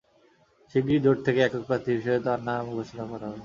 শিগগির জোট থেকে একক প্রার্থী হিসেবে তাঁর নাম ঘোষণা করা হবে।